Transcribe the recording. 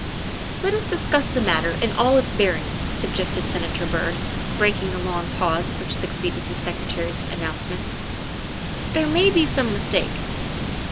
" Let us discuss the matter in all its bearings," sug gested Senator Byrd, breaking the long pause which succeeded the Secretary's announcement; " there may be some mistake."